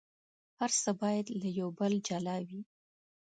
هر څه باید له یو بل جلا وي.